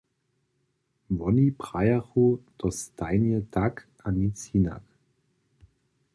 Woni prajachu to stajnje tak a nic hinak.